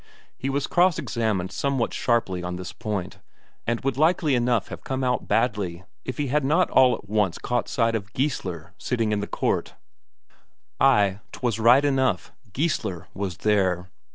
He was cross examined somewhat sharply on this point, and would likely enough have come out badly if he had not all at once caught sight of Geissler sitting in the court. Ay, 'twas right enough, Geissler was there.